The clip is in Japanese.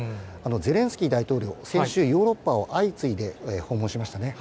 ゼレンスキー大統領、先週、ヨーロッパを相次いで訪問しましたね。